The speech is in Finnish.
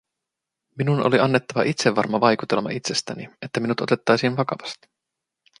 Minun oli annettava itsevarma vaikutelma itsestäni, että minut otettaisiin vakavasti.